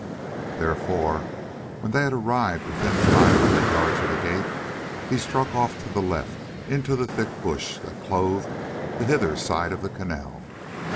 Therefore when they had arrived within five hundred yards of the gate, he struck off to the left into the thick bush that clothed the hither side of the canal.